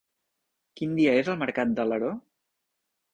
Quin dia és el mercat d'Alaró?